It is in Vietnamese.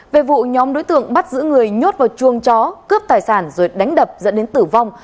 về vụ nhóm đối tượng bắt giữ người nhốt vào chuông chó cướp tài sản rồi đánh đập dẫn đến tử vong